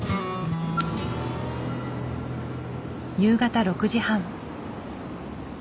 夕方６時半。